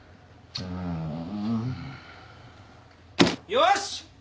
よし！